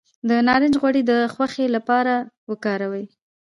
د نارنج غوړي د خوښۍ لپاره وکاروئ